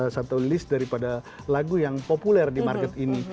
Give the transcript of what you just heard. satu list daripada lagu yang populer di market ini